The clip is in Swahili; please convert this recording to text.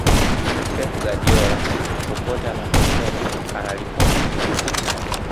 pep guardiola popote anapokwenda analipwa vizuri